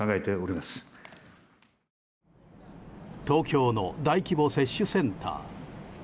東京の大規模接種センター。